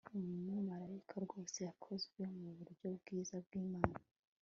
umumarayika rwose, yakozwe muburyo bwiza bw'imana